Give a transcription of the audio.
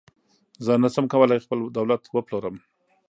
زه نشم کولای خپل دولت وپلورم.